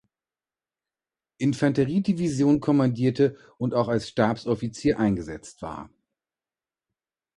Infanterie Division kommandierte und auch als Stabsoffizier eingesetzt war.